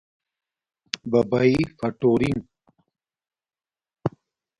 بباݵ فُوٹورنݣ